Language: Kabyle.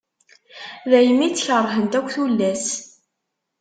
Daymi tt-kerhent akk tullas.